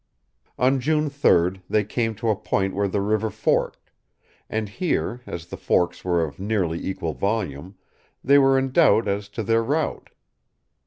On June 3d they came to a point where the river forked; and here, as the forks were of nearly equal volume, they were in doubt as to their route.